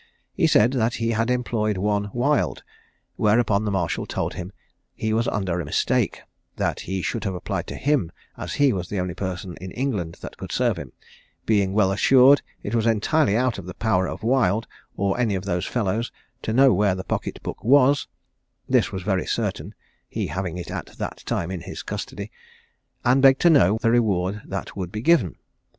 He said that he had employed one Wild; whereupon the marshal told him he was under a mistake; that he should have applied to him, as he was the only person in England that could serve him, being well assured it was entirely out of the power of Wild, or any of those fellows, to know where the pocket book was (this was very certain, he having it at that time in his custody); and begged to know the reward that would be given?